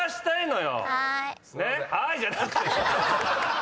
「はい」じゃなくて！